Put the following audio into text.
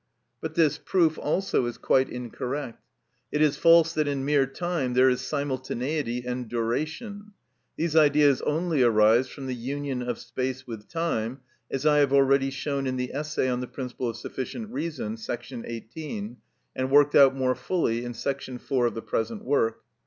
But this proof also is quite incorrect. It is false that in mere time there is simultaneity and duration; these ideas only arise from the union of space with time, as I have already shown in the essay on the principle of sufficient reason, § 18, and worked out more fully in § 4 of the present work.